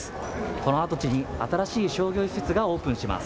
この跡地に新しい商業施設がオープンします。